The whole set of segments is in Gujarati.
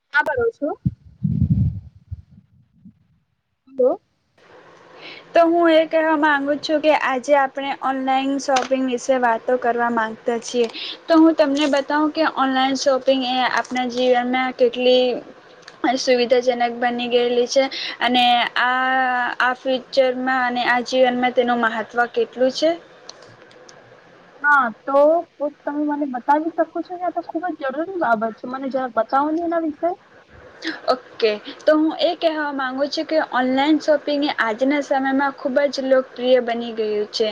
[unintelligible] કરો છો? દો. તો હું એ કહેવા માંગુ છું કે આજે આપણે ઓનલાઈન શોપિંગ વિશે વાતો કરવા માંગતા છીએ. તો હું તમને બતાવું કે ઓનલાઈન શોપિંગ એ આપણા જીવનના કેટલી અન સુવિધાજનક બની ગયેલી છે અને આ આ આ ફ્યુચરમાં અને આ જીવનમાં તેનું મહત્ત્વ કેટલું છે. હા તો તો તમે મને બતાવી શકો છો ને આ તો ખુબ જ જરૂરી બાબત છે મને જ બતાવો ને એના વિશે. ઓકે તો હું એ કહેવા માગુ છું કે ઓનલાઈન શોપિંગ એ આજના સમયમાં ખૂબ જ લોકપ્રિય બની ગયું છે.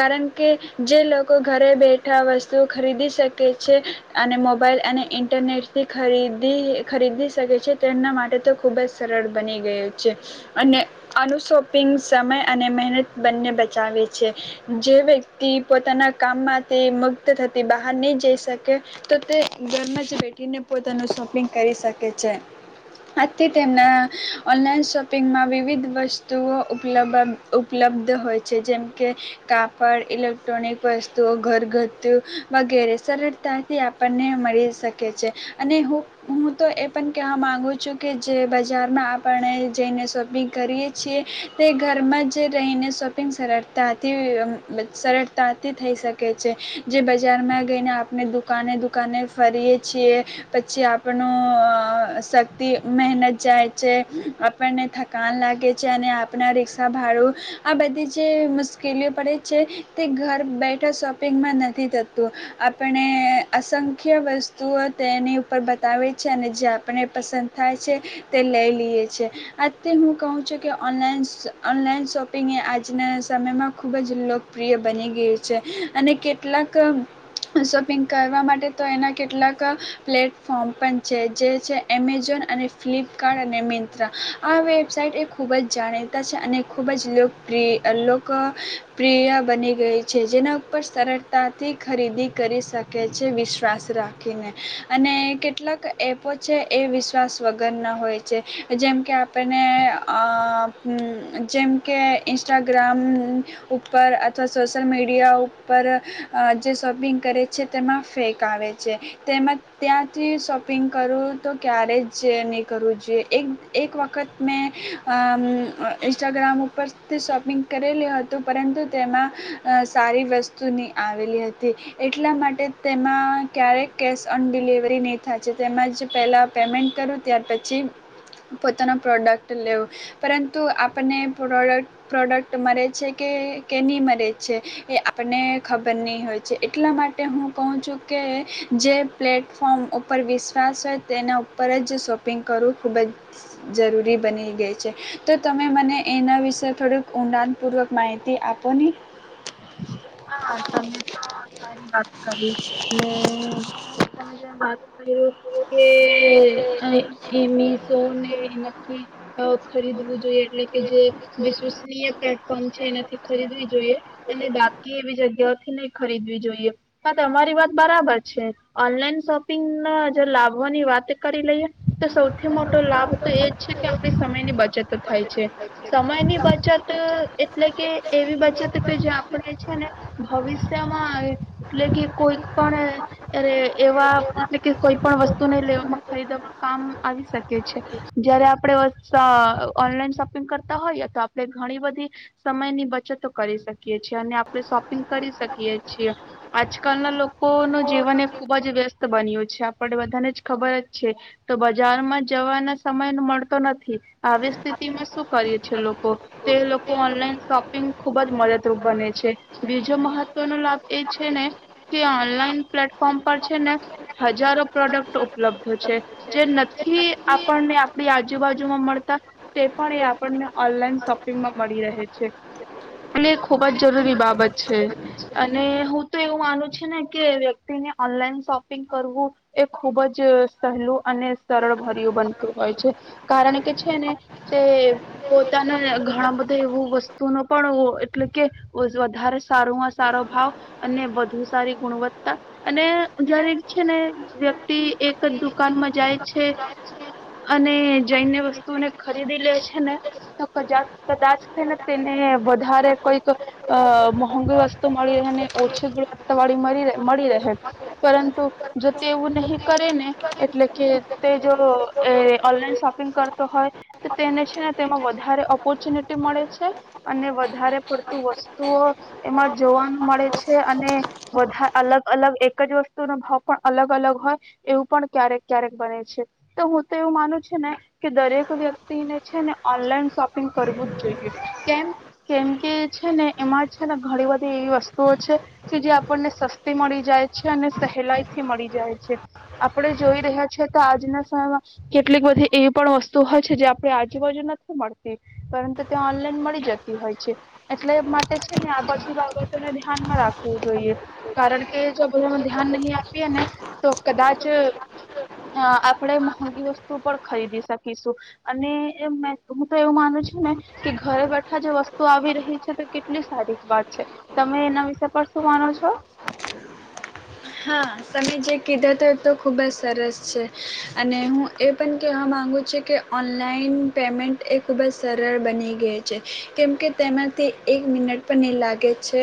કારણ કે જે લોકો ઘરે બેઠા વસ્તુઓ ખરીદી શકે છે અને મોબાઈલ અને ઇન્ટરનેટથી ખરીદી ખરીદી તગે છે તેમના માટે તો ખૂબ જ સરળ બની ગયું છે. અને આનું શોપિંગ સમય અને મહેનત બંને બચાવે છે. જે વ્યક્તિ પોતાના કામમાંથી મુક્ત થતી બહાર નહીં જઈ શકે તો તે ઘરમાં જ બેઠીને પોતાનું શોપિંગ કરી શ કે છે. આજથી તેમના ઓનલાઈન શોપિંગમાં વિવિધ વસ્તુઓ ઉપલબ ઉપલબ્ધ હોય છે. જેમકે કાપડ, ઇલેક્ટ્રોનિક વસ્તુઓ, ઘરગથ્થુ વગેરે સરળતાથી આપણને મળી શકે છે. અને હું હું તો એ પણ કહેવા માગું છું કે જે બજારમાં આપણે જઈને શોપિંગ કરીએ છીએ તે ઘરમાં જ રહીને શોપિંગ સરળતાથી અ સરળતાથી થઈ શકે છે. જે બજારમાં ગઈને આપણે દુકાને દુકાને ફરીએ છીએ પછી આપણું અ અ શક્તિ મહેનત જાય છે આપણને થકાન લાગે છે અને આપણાં રિક્ષા ભાડું આ બધી જે મુશ્કેલીઓ પડે છે તે ઘર બેઠા શોપિંગમાં નથી થતું. આપણે અસંખ્ય વસ્તુઓ તેની ઉપર બતાવે છે અને જે આપને પસંદ થાય છે તે લઈ લઈએ છે. અથી હું કહું છું કે ઓનલાઈન ઓનલાઈન શોપિંગ એ આજના સમયમાં ખૂબ જ લોકપ્રિય બની ગયું છે. અને કેટલાક શોપિંગ કરવા માટે તો એના કેટલાક પ્લેટફોર્મ પણ છે. જે છે એમેઝોન, અને ફ્લિપકાર, અને મિંત્રા આ વેબસાઇટ એ ખૂબ જ જાણીતા છે અને ખૂબ જ લોકપ્રિ લોક પ્રિય બની ગઈ છે. જેના ઉપર સરળતાથી ખરીદી કરી શકે છે વિશ્વાસ રાખીને. અને કેટલાક એપો છે એ વિશ્વાસ વગરના હોય છે. જેમકે આપણને અ અમ જેમ કે ઇન્સ્ટાગ્રામ ઉપર અથવા સોશિલ મીડિયા ઉપર અ જે શોપિંગ કરે છે તેમાં ફેક આવે છે તેમમાં ત્યાંથી શોપિંગ કરવું તો ક્યારે જ નહીં કરવું જોઈએ એક એક વખત મેં અ અમ ઇન્સ્ટાગ્રામ ઉપરથી શોપિંગ કરેલી હતું પરંતુ અ તેમાં સારી વસ્તુ નિ આવેલી હતી એટલા માટે તેમાં ક્યારેય કેશ ઓન ડિલિવરી નિ થાય છે તેમાં જ પહેલાં પેમેન્ટ કરું ત્યાર પછી પોતાનો પ્રોડક્ટ લેવું પરંતુ આપણને પ્રોડક્ટ પ્રોડક્ટ મલે છે કે કે ની મલે છે એ આપણને ખબર ની હોય છે એટલા માટે હું કહુ છું કે જે પ્લેટફોર્મ ઉપર વિશ્વાસ જ તેના ઉપર જ શોપિંગ કરવું ખૂબ જ જરૂરી બની ગઈ છે. તો તમે મને એના વિશે થોડુંક ઊંડાણપૂર્વક માહિતી આપો ની. હા તમે તો સારી વાત કરી ને [inaudible] [unintelligible] ખરીદવું જોઈએ એટલે કે જે વિશ્વસનીય પ્લેટફોર્મ છે એનાથી ખરીદવી જોઈએ અને બાકી એવી જગ્યાઓથી નહી ખરીદવી જોઈએ હા તમારી વાત બરાબર છે ઓનલાઈન શોપિંગ ના જ લાભવાની વાત કરી લઈએ તો સૌથી મોટો લાભ તો એજ છે કે આપડી સમયની બચત થાય છે. સમયની બચત અ એટલે કે એવી બચત કે જે આપણે [unintelligible] ભવિષ્યમાં એટલે કે, કોઈક પણ એ-એ એવા એટલે કે કોઈ પણ વસ્તુને લેવામાં ખરીદવામાં કામ આવી શકે છે, જ્યારે આપ આપળે [unintelligible] ઓનલાઈન શોપિંગ કરતા હોઈએ, તો આપળે ઘણી બધી સમયની બચતો કરી શકીએ. [unintelligible] આપળે શોપિંગ કરી શકીએ છીએ. આજકાલના લોકો નું જીવન એ ખુબ જ વ્યસ્ત બન્યું છે, આપણ બધાનેજ ખબર જ છે, તો બજારમાં જવાના સમય મળતો નથી. આવી સ્થિતિમાં શું કરીએ છે લોકો. તે લોકો ઓનલાઈન શોપિંગ ખુબ જ મદદરૂપ બને છે. બીજો મહત્વનો લાભ એ છે ને કે, ઓનલાઈન પ્લેટફોર્મ પર છે ને, હજારો પ્રોડક્ટ ઉપલબ્ધ છે. જે નથી આપણને આપળી આજુબાજુમાં મળતા તે પણ એ આપણને ઓનલાઈન શોપિંગમાં મળી રહે છે. [unintelligible] ખૂબ જ જરૂરી બાબત છે અને હું તો એવું માનું છું ને કે વ્યક્તિને ઓનલાઈન શોપિંગ કરવું એ ખૂબ જ સહેલું અને સરળ ભર્યું બનતું હોય છે, કારણ કે છે ને તે પોતાના ઘણા બધા એવું વસ્તુનો પણ એટલે કે, [unintelligible] વધારે સારુંમાં સારો ભાવ, અને વધુ સારી ગુણવત્તા અને [unintelligible] છે ને વ્યક્તિ એક જ દુકાનમાં જાય છે અને જઈને વસ્તુઓને ખરીદી લે છે ને તો, [unintelligible] કદાચ છે ને તેને વધારે કઈક અ મોંઘી વસ્તુ મળી રેહ ને ઓછી ગુણવત્તા વાળી મરી મળી રહે, પરંતુ જો તે એવું નહી કરે ને, એટલે કે તે જો એ ઓનલાઈન શોપિંગ કરતો હોય તો તેને છે ને તેમાં વધારે ઓપોર્ચ્યુનિટી મળે છે, અને વધારે પડતું વસ્તુઓ એમાં જોવાનું મળે છે અને વધા અલગ અલગ એક જ વસ્તુનો ભાવ પણ અલગ અલગ હોય, એવું પણ ક્યારેક ક્યારેક બને છે. તો હું તો એવું માનું છું ને કે દરેક વ્યક્તિને, છેને ઓનલાઈન શોપિંગ કરવું જ જોઈએ. કેમ, કેમ કે છે ને એમાં છે ને ઘણી બધી એવી વસ્તુઓ છે કે જે આપણને સસ્તી મળી જાય છે અને સહેલાઈ થી મળી જાય છે, આપણે જોઈ રહ્યા છેએ તો આજના સમયમાં કેટલીક બધી એવી પણ વસ્તુ હોય છે જે આપણે આજુબાજુ નથી મળતી, પરંતુ તે ઓનલાઈન મળી જતી હોય છે. એટલે માટે છે ને આ બધી બાબતોને ધ્યાનમાં રાખવું જોઈએ, કારણકે જો બધામાં ધ્યાન નહીં આપીએ ને તો કદાચ અ આપળે મોંંગી વસ્તુ પણ ખરીદી શકીશું અને એમ મેં હું તો એવું માનું છું ને, કે ઘરે બેઠા જે વસ્તુ આવી રહી આવી રહી છે, તો કેટલી સારી વાત છે, તમે એના વિશે પર શું માનો છો? હા, તમે જે કીધું તે તો ખૂબજ સરસ છે અને હું એ પણ કહેવા માગુ છું કે, ઓનલાઈન પેમેન્ટ એ ખૂબજ સરળ બની ગઈ છે, કેમકે તેમાંથી એક મિનટ પણ ની લાગે છે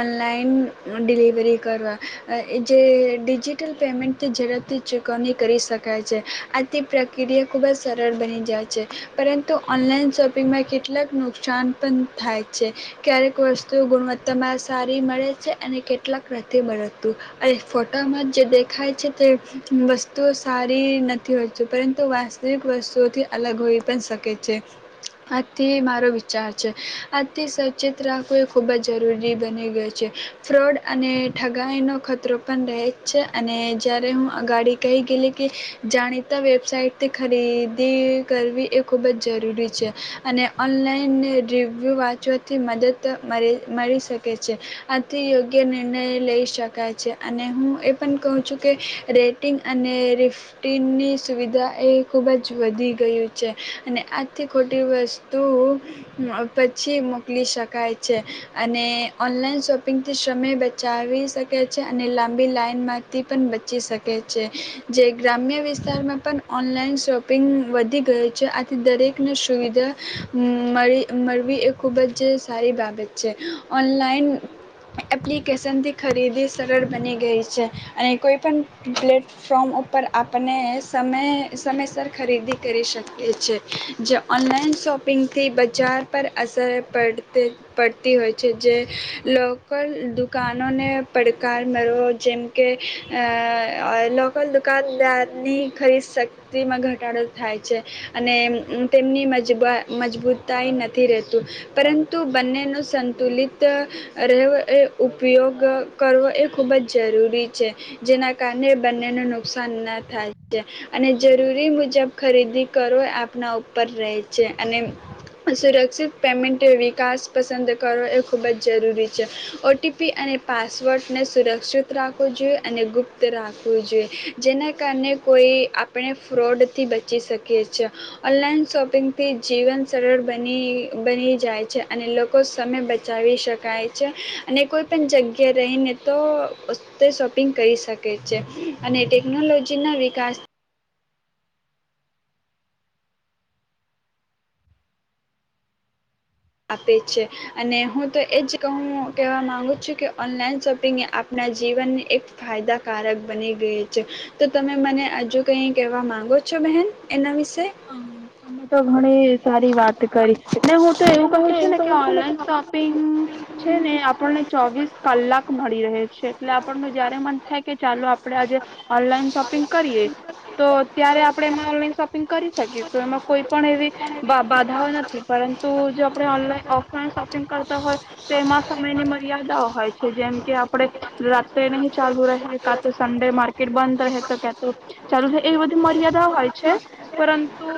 ઓનલાઈન ડિલિવરી કરવા અ જે એ ડિજિટલ પેમેન્ટથી ઝડપથી ચૂકવણી કરી શકાય છે, આ તે પ્રક્રિયા ખૂબ જ સરળ બની જાય છે, પરંતુ ઓનલાઈન શોપિંગમાં કેટલાક નુકસાન પણ થાય છે. ક્યારેક વસ્તુઓ ગુણવત્તામાં સારી મળે છે, અને કેટલાક રતે [unintelligible] તું [unintelligible] ફોટામાં જે દેખાય છે, તે વસ્તુ સારી નથી હોય છે, પરંતુ વાસ્તવિક વસ્તુઓથી અલગ હોઈ પણ શકે છે. આથી મારો વિચાર છે, આજથી સચેત રાખવું એ ખૂબજ જરૂરી બની ગય છે. ફ્રોડ અને ઠગાઈનો ખતરો પણ રહે જ છે અને જ્યારે હું અગાડી કેય ગેલી કે જાણીતા વેબસાઇટથી ખરીદી કરવી એ ખૂબ જ જરૂરી છે, અને ઓનલાઈન રિવ્યૂ વાંચવાથી મદત મળે મળી શકે છે. આથી યોગ્ય નિર્ણય લઈ શકાય છે અને હું એ પણ કહું છું કે રેટિંગ અને રિફ્ટિની સુવિધા એ ખૂબજ વધી ગયું છે અને આથી ખોટી વસ્તુ [unintelligible] પછી મોકલી શકાય છે અને ઓનલાઈન શોપિંગથી સમય બચાવી શકે છ અને લાંબી લનમાંથી પણ બચી શકે છે. જે ગ્રામ્ય વિસ્તારમાં પણ ઓનલાઈન શોપિંગ વધી ગયું છે, આથી દરેકને સુવિધા [unintelligible] અમ મળી મળવી એ ખૂબ જ સારી બાબત છે. ઓનલાઈન એપ્લિકેશનથી ખરીદી સરળ બની ગઈ છે અને કોઈપણ પ્લેટફોર્મ ઉપર આપણને સમય સમયસર ખરીદી કરી શકે છે. જે ઓનલાઈન શોપિંગથી બજાર પર અસરે પડતે પડતી હોય છે, જે લોકલ દુકાનોને પડકાર મરવો, જેમકે અહ લોકલ દુકાનદારની ખરીદ શક્તિમાં ઘટાડો થાય છે અને તેમની મજબાઈ મજબૂતાઈ નથી રહેતું, પરંતુ બંનેનો સંતુલિત રહેવ એ ઉપયોગ કરવો એ ખૂબજ જરૂરી છે, જેના કારણે બંનેને નુકસાન ના થાય અને જરૂરી મુજબ ખરીદી કરો એ આપના ઉપર રહે છે અને સુરક્ષિત પેમેન્ટ વિકાસ પસંદ કરો એ ખૂબજ જરૂરી છે, ઓટીપી અને પાસ સ્વટને સુરક્ષિત રાખવું જોઈએ અને ગુપ્ત રાખવું જોઈએ, જેના કારણે કોઈ આપણે ફ્રોડથી બચી શકીએ છીએ. ઓનલાઈન શોપિંગથી જીવન સરળ બની બની જાય છે અને લોકો સમય બચાવી શકાય છે અને કોઈપણ જગ્યા કે રહીને તો તે શોપિંગ કરી શકે છે અને ટેકનોલોજીના વિકાસ આપે છે અને હું તો એજ કહું કહેવા માંગુ છું કે ઓનલાઈન શોપિંગ એ આપણા જીવનને એક ફાયદાકારક બની ગય છે, તો તમે મને હજુ કઈ કહેવા માંગો છો, બહેન? એના વિશે હા, અમે તો હણે સારી વાત કરી ને હું તો એવું કહું છ ને કે ઓનલાઈન શોપિંગ છે ને આપણને ચોવીસ કલાક મળી રહે છે, એટલે આપણ જયારે મન થાય કે ચાલો આપડે આજે ઓનલાઈન શોપિંગ કરીએ તો ત્યારે આપણે એમાં ઓનલાઈન શોપ કરી શકીશ, એમાં કોઈ પણ એવી બાધાઓ નથી, પરંતુ જો આપણે ઓનલાઈન, ઓફલાઈન શોપ કરતા હોય, તો તેમાં સમયની મર્યાદાઓ હોય. જેમકે આપડે રાત્રે નહી ચાલુ રહે, કા તો સન્ડે માર્કેટ બંધ રહે, તો કા તો ચાલુ રહે, એવી બધી મર્યાદા હોય છે. પરંતુ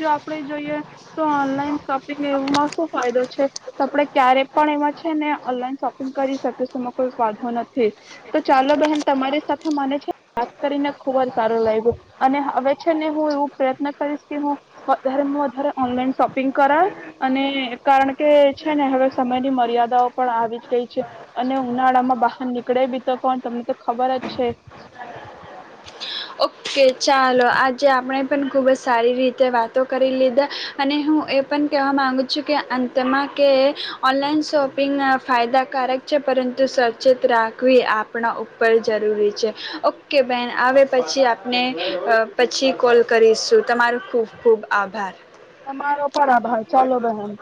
જો આપડે જોઈએ, તો ઓનલાઈન શોપિંગ એવમાં શું ફાયદો છે, આપડે ક્યારે પણ એમાં છે ને ઓનલાઈન શોપિંગ કરી શકીશું એમાં કોઈ ફાયંધો નથી, તો ચાલો બહેન તમારી સાથે મને છે વાત કરીને ખુબ જ સારો લ્યો અને હવે છે ને હું એવું પ્રયત્ન કરીશ કે હું વધારે વધારે ઓનલાઈન શોપિંગ કરાય અને કારણ કે છે ને હવે સમયની મર્યાદાઓ પણ આવી જ ગઈ છે અને ઉનાળા માં બહાર નીકળે બી તો કોણ તમને તો ખબરજ છે. ઓકે ચાલો આજે આપણે પણ ખૂબ જ સારી રીતે વાતો કરી લીધા અને હું એ પણ કહેવા માગું છું કે અંતમાં કે ઓનલાઈન શોપિંગ ફાયદાકારક છે, પરંતુ સચેત રાખવી આપણા ઉપર જરૂરી છે. ઓકે બેહેન, આવે પછી આપ ને પછી કોલ કરીશું, તમારો ખુબ ખુબ આભાર. તમારો પણ આભાર, ચાલો બહેન.